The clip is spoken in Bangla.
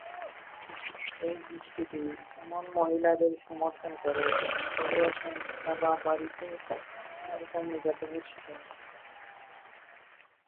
এই গোষ্ঠীটি এমন মহিলাদের সমর্থন করে যারা ঘরোয়া সহিংসতা বা বাড়িতে অন্যরকম নির্যাতনের শিকার হন।